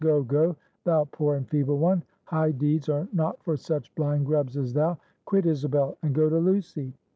Go, go, thou poor and feeble one! High deeds are not for such blind grubs as thou! Quit Isabel, and go to Lucy!